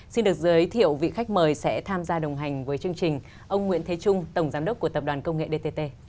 xin được giới thiệu vị khách mời sẽ tham gia đồng hành với chương trình ông nguyễn thế trung tổng giám đốc của tập đoàn công nghệ dtt